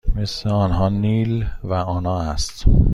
اسم آنها نیل و آنا است.